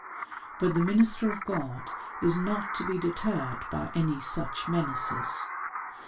But the minister of God is not to be deterred by any such menaces.